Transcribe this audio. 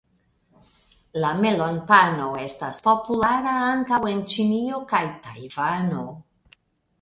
La melonpano estas populara ankaŭ en Ĉinio kaj Tajvano.